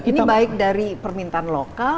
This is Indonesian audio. ini baik dari permintaan lokal